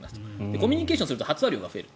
コミュニケーションすると発話量が増える。